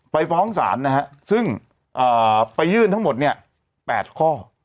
ฟ้องศาลนะฮะซึ่งไปยื่นทั้งหมดเนี่ย๘ข้อ